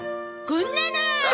こんなのー！